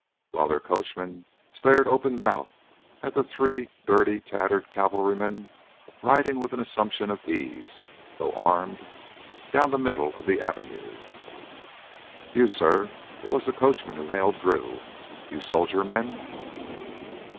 While their coachman stared open mouthed at the three dirty, tattered cavalrymen riding with an assumption of ease, though armed, down the middle of the avenue. "You, suh." It was the coachman who hailed Drew. "You soldier men?"